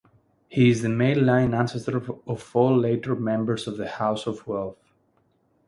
He is the male-line ancestor of all later members of the House of Welf.